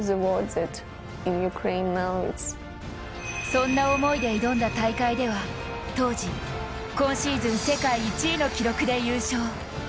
そんな思いで挑んだ大会では当時、今シーズン世界１位の記録で優勝。